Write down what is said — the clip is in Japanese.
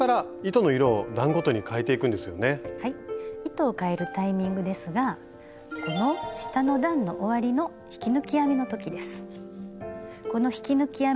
糸をかえるタイミングですがこの下の段の終わりの引き抜き編みの時です。